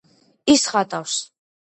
ის ხატავს